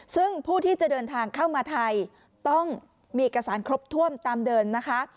ซึ่งผู้ที่จะเดินทางเข้ามาไทยต้องมีเอกสารครบถ้วนตามเดินนะคะ